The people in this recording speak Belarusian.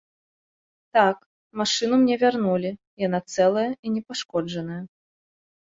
Так, машыну мне вярнулі, яна цэлая і непашкоджаная.